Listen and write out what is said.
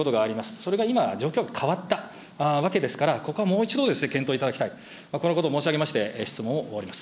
それが今、状況が変わったわけですから、ここはもう一度、検討いただきたい、このことを申し上げまして、質問を終わります。